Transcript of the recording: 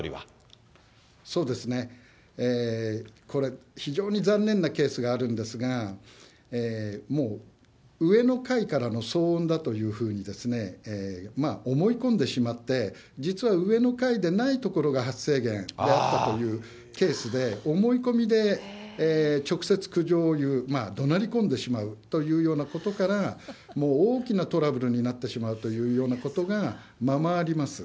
そうですね、これ、非常に残念なケースがあるんですが、もう上の階からの騒音だというふうに思い込んでしまって、実は上の階でない所が発生源であったというケースで、思い込みで直接苦情を言う、どなり込んでしまうというようなことから、大きなトラブルになってしまうというようなことが、ままあります。